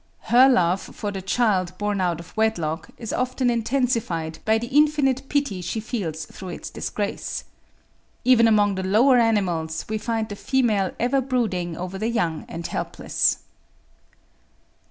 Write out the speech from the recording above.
Her love for the child born out of wedlock is often intensified by the infinite pity she feels through its disgrace. Even among the lower animals we find the female ever brooding over the young and helpless.